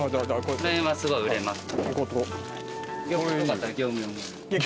この辺はすごい売れます。